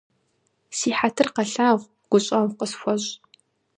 Си хьэтыр къэлъагъу, гущӏэгъу къысхуэщӏ.